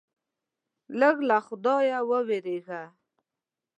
لږ له خدایه ووېرېږه.